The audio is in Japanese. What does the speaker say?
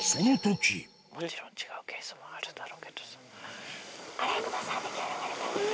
もちろん違うケースもあるだろうけどさ。